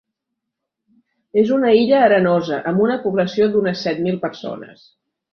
És una illa arenosa amb una població d'unes set mil persones.